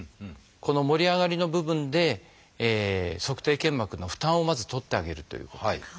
この盛り上がりの部分で足底腱膜の負担をまず取ってあげるということ。